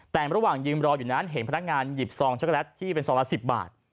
แต่ระหว่างยืมรออยู่นั้นเห็นพนักงานหยิบซองช็กโกแลตที่เป็นซองละ๑๐บาท